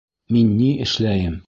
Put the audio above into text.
Мин ни эшләйем?